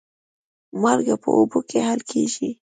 مالګه په اوبو کې حل کېږي.